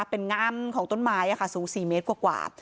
เป็นงามของต้นไม้อ่ะค่ะสูงสี่เมตรกว่ากว่า